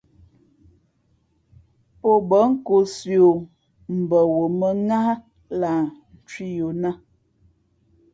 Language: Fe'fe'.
Pō bα̌ nkōsī o mbα wo mᾱŋáh lah cwī yo nāt.